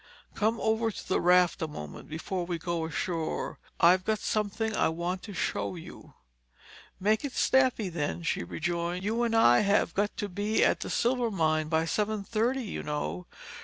"Come over to the raft a moment, before we go ashore. I've got something I want to show you." "Make it snappy, then," she rejoined. "You and I have got to be at Silvermine by seven thirty, you know.